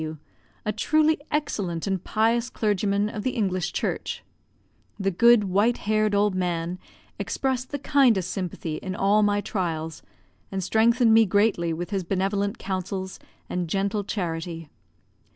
W , a truly excellent and pious clergyman of the English Church. The good, white haired old man expressed the kindest sympathy in all my trials, and strengthened me greatly with his benevolent counsels and gentle charity.